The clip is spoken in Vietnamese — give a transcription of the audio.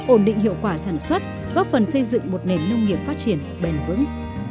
ổn định hiệu quả sản xuất góp phần xây dựng một nền nông nghiệp phát triển bền vững